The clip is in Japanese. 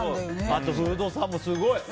あとフードさんもすごい。